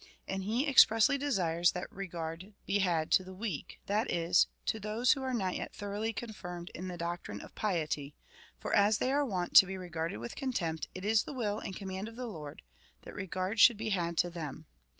And he ex pressly desires that regard be had to the weak, that is, to those who are not yet thoroughly confirmed in the doctrine of piety, for as they are wont to be regarded with contempt, it is the will and command of the Lord, that regard should be had to them.